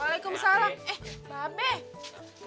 waalaikumsalam eh mbak be